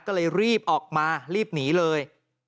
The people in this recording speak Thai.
ก็เลยรีบออกมารีบหนีเลย